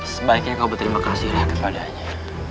sebaiknya kau berterima kasihlah kepadanya